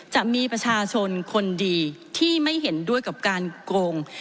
จะมีประชาชนคนดีที่ไม่เห็นด้วยกับการโกง